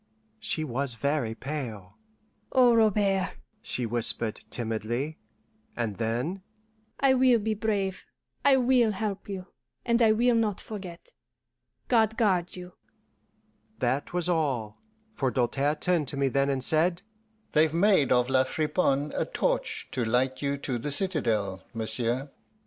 She was very pale. "Oh, Robert!" she whispered timidly; and then, "I will be brave, I will help you, and I will not forget. God guard you." That was all, for Doltaire turned to me then and said, "They've made of La Friponne a torch to light you to the citadel, monsieur."